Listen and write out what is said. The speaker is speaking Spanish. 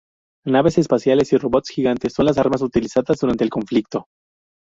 Naves espaciales y robots gigantes son las armas utilizadas durante el conflicto.